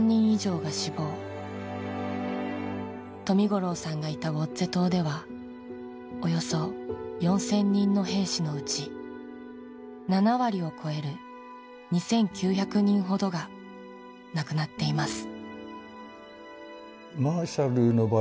冨五郎さんがいたウオッゼ島ではおよそ４０００人の兵士のうち７割を超える２９００人ほどが亡くなっています。